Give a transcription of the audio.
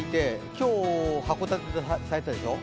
今日、函館で咲いたでしょう。